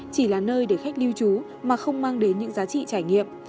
chỉ là nơi để khách lưu trú mà không mang đến những giá trị trải nghiệm